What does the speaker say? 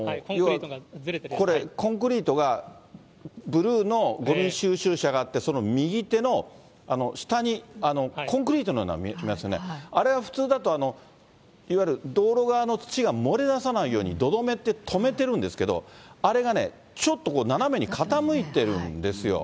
コンクリートがブルーのごみ収集車があって、その右手の下にコンクリートのようなものありますよね、あれが普通だと、いわゆる道路側の土が漏れ出さないように、土留めって留めてるんですけど、あれがね、ちょっと斜めに傾いてるんですよ。